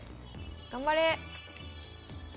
頑張れ！